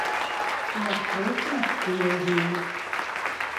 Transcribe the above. У маршруце магчымыя змены.